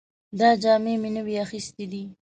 دا جامې مې نوې اخیستې دي